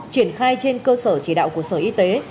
triển khai trên cơ sở chỉ đạo của sở y tế